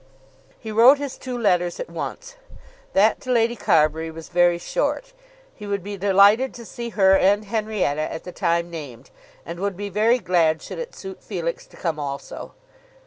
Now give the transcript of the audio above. He wrote his two letters at once. That to Lady Carbury was very short. He would be delighted to see her and Henrietta at the time named, and would be very glad should it suit Felix to come also.